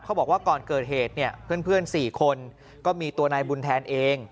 เขาบอกว่าก่อนเกิดเหตุเพื่อนสี่คนก็มีตัวนายบุญแทนเอง